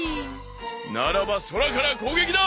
ならば空から攻撃だ！